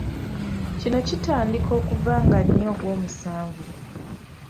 Kino kitandika okuva nga nnya ogw'omusanvu.